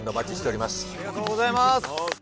「ありがとうございます」